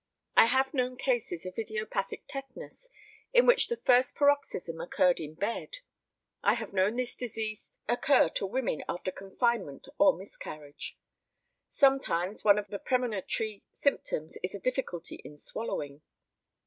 I have known cases of idiopathic tetanus in which the first paroxysm occurred in bed. I have known this disease occur to women after confinement or miscarriage. Sometimes one of the premonitory symptoms is a difficulty in swallowing.